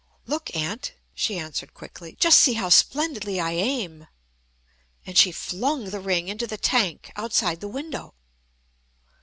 "Look, Aunt," she answered quickly, "just see how splendidly I aim." And she flung the ring into the tank outside the window.